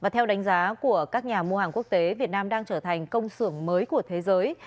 theo đánh giá của các nhà mua hàng quốc tế việt nam đang trở thành công xưởng mới của thế giới